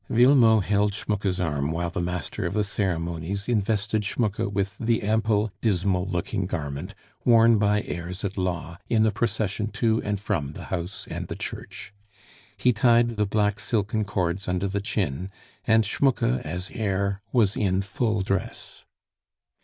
Villemot held Schmucke's arm while the master of the ceremonies invested Schmucke with the ample, dismal looking garment worn by heirs at law in the procession to and from the house and the church. He tied the black silken cords under the chin, and Schmucke as heir was in "full dress."